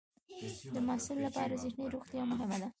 د محصل لپاره ذهني روغتیا مهمه ده.